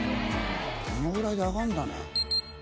このぐらいで上がるんだね。